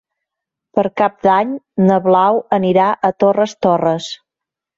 Per Cap d'Any na Blau anirà a Torres Torres.